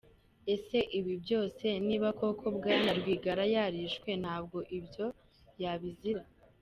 Ese ibi byose niba koko Bwana Rwigara yarishwe ntabwo byo yabizira?